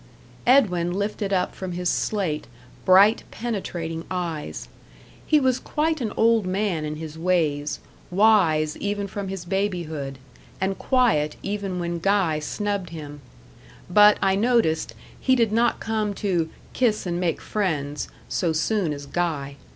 Edwin lifted up from his slate bright, penetrating eyes. He was quite an old man in his ways wise even from his babyhood, and quiet even when Guy snubbed him; but, I noticed, he did not come to "kiss and make friends" so soon as Guy.